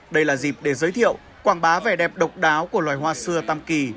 đây là dịp để giới thiệu quảng bá vẻ đẹp độc đáo của loài hoa xưa tam kỳ